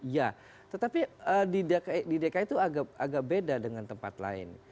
ya tetapi di dki itu agak beda dengan tempat lain